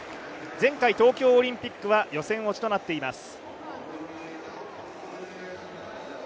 前回、東京オリンピックは予選落ちとなっています。